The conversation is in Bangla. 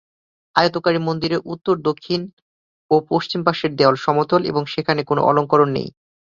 আয়তাকার এ মন্দিরের উত্তর, দক্ষিণ ও পশ্চিম পাশের দেয়াল সমতল এবং সেখানে কোন অলংকরণ নেই।